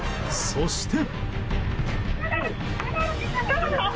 そして。